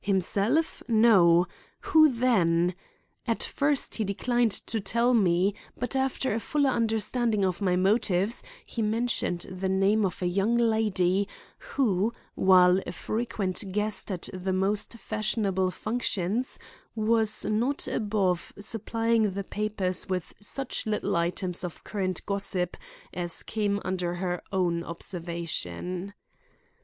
Himself? No. Who then? At first he declined to tell me, but after a fuller understanding of my motives he mentioned the name of a young lady, who, while a frequent guest at the most fashionable functions, was not above supplying the papers with such little items of current gossip as came under her own observation.